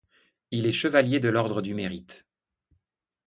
Il est chevalier de l’ordre du Mérite.